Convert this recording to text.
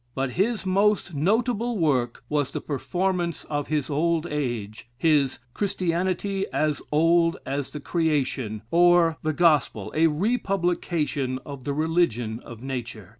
But his most notable work was the performance of his old age, his "Christianity as Old as the Creation: or, the Gospel, a Republication of the Religion of Nature."